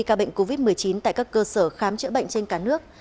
ca bệnh covid một mươi chín tại các cơ sở khám chữa bệnh trên cả nước